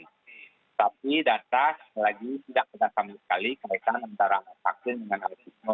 tetapi data tidak ada sama sekali kaitan antara vaksin dengan autisme